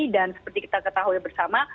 dan seperti kita ketahui bersama